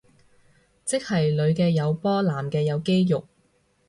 即係女嘅有波男嘅有肌肉